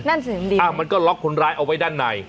นั่นสิมันดีไหมอ้าวมันก็ล็อกคนร้ายเอาไว้ด้านใน